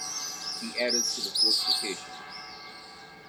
He added to the fortifications.